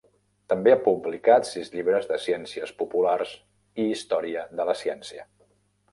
També ha publicat sis llibres de ciències populars i història de la ciència.